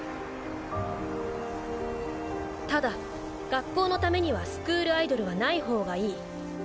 ただ学校のためにはスクールアイドルはない方がいい。